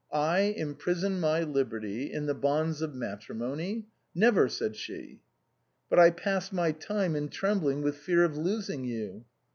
" I imprison my liberty in the bonds of matrimony ? Never," said she. " But I pass my time in trembling with fear of losing you."